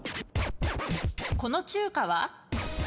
この中華は？